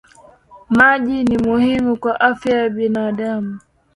Maji ni muhimu kwa afya ya binadamu